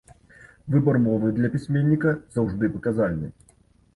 Выбар мовы для пісьменніка заўжды паказальны.